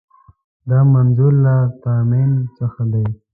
دا منظور له تامین څخه دی.